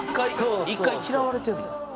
「１回嫌われてるの？」